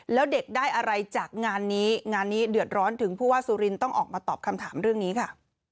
แล้วเด็กได้อะไรจากงานนี้งานนี้เดือดร้อนถึงผู้ว่าสุรินต้องออกมาตอบคำถามเรื่องนี้ค่ะ